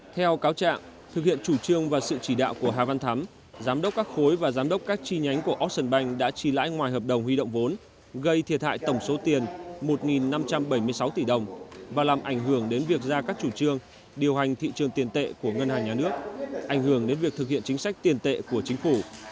theo cáo trạng thực hiện chủ trương và sự chỉ đạo của hà văn thắm giám đốc các khối và giám đốc các chi nhánh của ocean bank đã chi lãi ngoài hợp đồng huy động vốn gây thiệt hại tổng số tiền một năm trăm bảy mươi sáu tỷ đồng và làm ảnh hưởng đến việc ra các chủ trương điều hành thị trường tiền tệ của ngân hàng nhà nước ảnh hưởng đến việc thực hiện chính sách tiền tệ của chính phủ